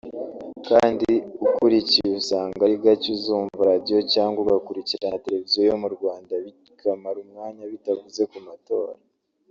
Kandi ukurikiye usanga ari gake uzumva radiyo cyangwa ugakurikirana televiziyo yo mu Rwanda bikamara umwanya bitavuze ku matora